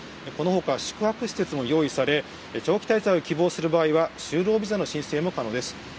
このほか、宿泊施設も用意され、長期滞在を希望する場合は、就労ビザの申請も可能です。